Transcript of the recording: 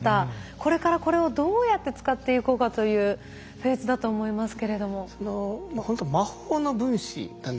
これからこれをどうやって使っていこうかというフェーズだと思いますけれども。